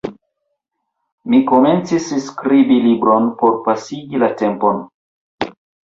Mi komencis skribi libron por forpasigi la tempon.